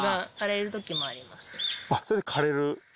あっそれで枯れる？